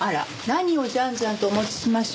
何をじゃんじゃんとお持ちしましょうか？